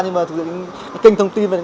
nhưng mà kênh thông tin